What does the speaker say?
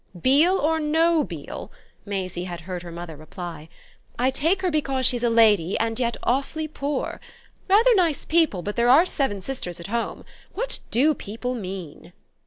"Beale or no Beale," Maisie had heard her mother reply, "I take her because she's a lady and yet awfully poor. Rather nice people, but there are seven sisters at home. What do people mean?"